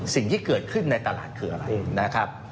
สิ่งที่เกิดขึ้นในตลาดคืออะไรนะครับ